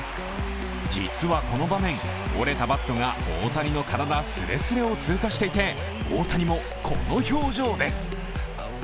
実はこの場面、折れたバットが大谷の体すれすれを通過していて大谷もこの表情です。